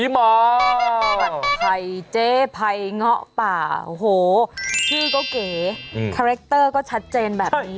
ภัยเจ๊ภัยเงาะป่าวโหชื่อก็เก๋อืมคาแรคเตอร์ก็ชัดเจนแบบนี้ใช่